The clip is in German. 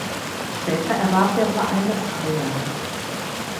Später erwarb der Verein das Areal.